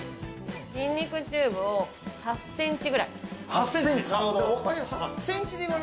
にんにくチューブを８センチくらい。